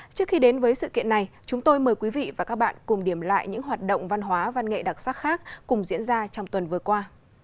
trước khi đến với sự kiện này chúng tôi mời quý vị và các bạn cùng điểm lại những hoạt động văn hóa văn nghệ đặc sắc khác cùng diễn ra trong tuần vừa qua